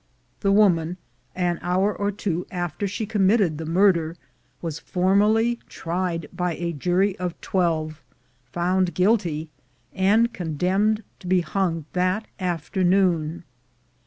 The woman, an hour or two after she committed the murder, was formally tried by a jury of twelve, found guilty, and condemned to be hung that after noon.